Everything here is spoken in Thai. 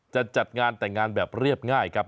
จัดงานแต่งงานแบบเรียบง่ายครับ